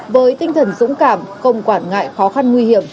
với tinh thần dũng cảm không quản ngại khó khăn nguy hiểm